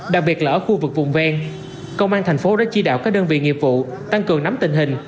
đặc biệt là ở khu vực vùng ven công an thành phố đã chỉ đạo các đơn vị nghiệp vụ tăng cường nắm tình hình